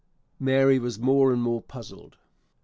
Mary was more and more puzzled.